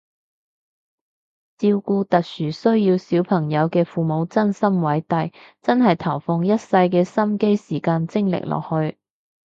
照顧特殊需要小朋友嘅父母真心偉大，真係投放一世嘅心機時間精力落去